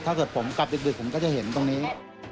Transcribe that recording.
ถ้าเกิดผมกลับดึกผมก็จะเห็นตรงนี้